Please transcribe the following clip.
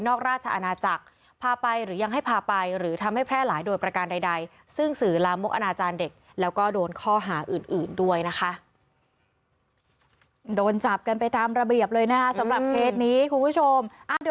โดนจับกันไปตามระเบียบเลยนะคะสำหรับเคสนี้คุณผู้ชม